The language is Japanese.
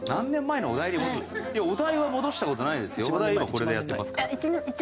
今これでやってますから。